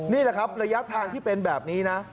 นี่แหละครับระยะทางที่เป็นแบบนี้นะ